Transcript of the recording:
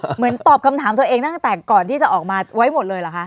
เหมือนตอบคำถามตัวเองตั้งแต่ก่อนที่จะออกมาไว้หมดเลยเหรอคะ